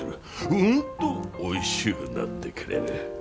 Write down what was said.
うんとおいしゅうなってくれる。